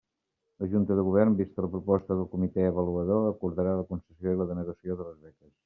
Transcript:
La Junta de Govern, vista la proposta del Comité Avaluador, acordarà la concessió i la denegació de les beques.